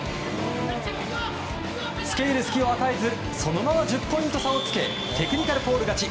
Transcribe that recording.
付け入る隙を与えずそのまま１０ポイント差をつけテクニカルフォール勝ち。